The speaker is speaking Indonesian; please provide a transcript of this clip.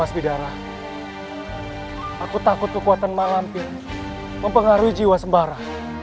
mas bidara aku takut kekuatan malampir mempengaruhi jiwa sembara